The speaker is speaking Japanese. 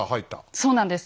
そうなんです。